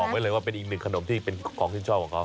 ไว้เลยว่าเป็นอีกหนึ่งขนมที่เป็นของชื่นชอบของเขา